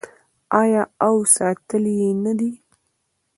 آیا او ساتلی یې نه دی؟